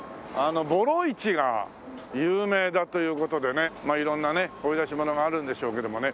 ボロ市が有名だという事でね色んなね掘り出し物があるんでしょうけどもね。